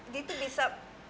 dee itu bisa